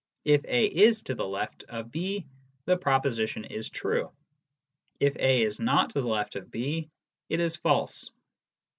If A is to the left of B, the proposition is true ; if A is not to the left of B, it is false.